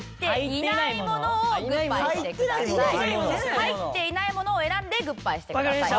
入っていないものを選んでグッバイしてください。